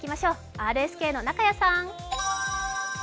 ＲＳＫの中屋さん。